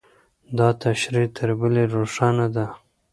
دا تشریح تر بلې روښانه ده.